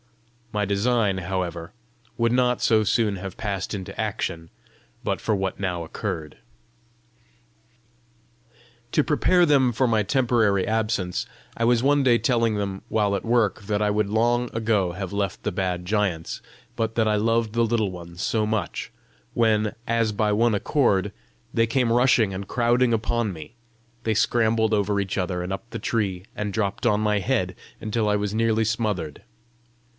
My design, however, would not so soon have passed into action, but for what now occurred. To prepare them for my temporary absence, I was one day telling them while at work that I would long ago have left the bad giants, but that I loved the Little Ones so much when, as by one accord, they came rushing and crowding upon me; they scrambled over each other and up the tree and dropped on my head, until I was nearly smothered.